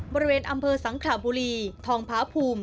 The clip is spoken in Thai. บริเวณอำเภอสังขระบุรีทองพาภูมิ